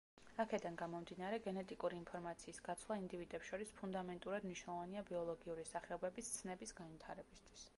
აქედან გამომდინარე, გენეტიკური ინფორმაციის გაცვლა ინდივიდებს შორის ფუნდამენტურად მნიშვნელოვანია ბიოლოგიური სახეობების ცნების განვითარებისთვის.